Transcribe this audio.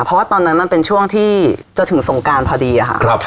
เพราะว่าตอนนั้นมันเป็นช่วงที่จะถึงสงการพอดีค่ะ